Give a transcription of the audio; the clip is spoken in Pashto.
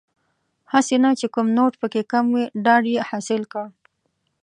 هسې نه چې کوم نوټ پکې کم وي ډاډ یې حاصل کړ.